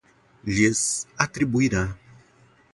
lhes atribuirá